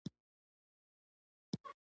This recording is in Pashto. نړیوال هېوادونه په درې ډولونو وېشل شوي.